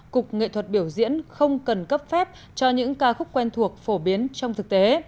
cục nghệ thuật biểu diễn không cần cấp phép cho những ca khúc quen thuộc phổ biến trong thực tế